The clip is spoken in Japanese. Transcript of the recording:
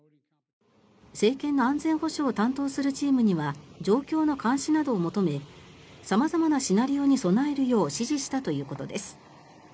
政権の安全保障を担当するチームには状況の監視などを求め様々なシナリオに備えるよう指示したということです。